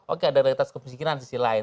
oke ada realitas kemiskinan sisi lain